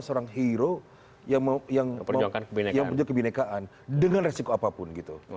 seorang hero yang menjauhkan kebenekaan dengan resiko apapun